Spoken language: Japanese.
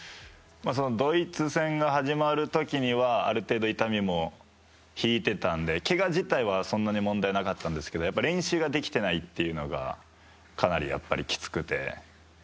そのドイツ戦が始まる時には痛みも引いていたのでけが自体は、そんなに問題がなかったんですけどやっぱり練習ができていないっていうのがかなりきつくて。